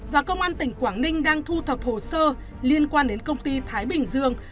và công an tỉnh quảng ninh đang thu thập hồ sơ liên quan đến công ty thái bình dương